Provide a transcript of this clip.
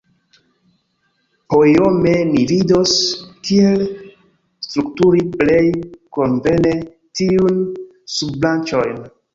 Poiome ni vidos, kiel strukturi plej konvene tiujn subbranĉojn.